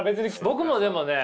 僕もでもね